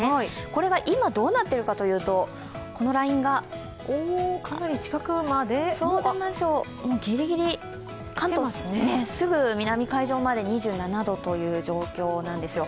これが今どうなっているかというとこのラインがギリギリ、関東すぐ南海上まで２７度という状況なんです。